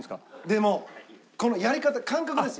でもこのやり方感覚です。